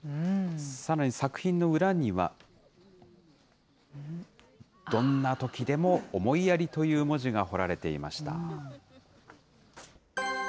さらに作品の裏には、どんな時でも思いやりという文字が彫られていました。